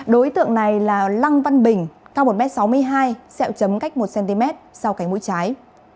đối tượng này là lăng văn bình cao một m sáu mươi hai sẹo chấm cách một cm sau cánh mũi trái